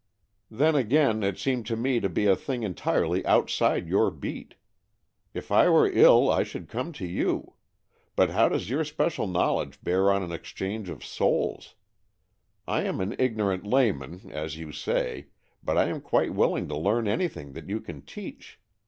" Then again, it seemed to me to be a thing entirely outside your beat. If I were ill, I should come to you. But how does your special knowledge bear on an exchange of souls? I am an ignorant layman, as you say, but I am quite willing to learn anything that you can teach.